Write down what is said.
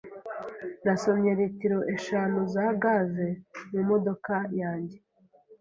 Nasomye litiro eshanu za gaze mu modoka yanjye.